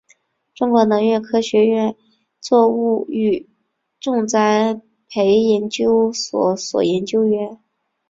中国农业科学院作物育种栽培研究所研究员。